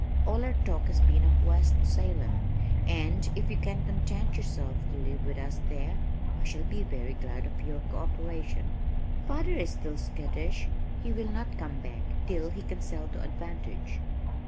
"All our talk has been of West Salem, and if you can content yourself to live with us there, I shall be very glad of your co operation. Father is still skittish. He will not come back till he can sell to advantage.